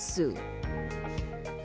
masak lereng lohs lambung